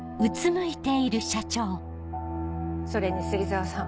それに芹沢さん。